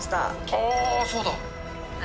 ああ、そうだ。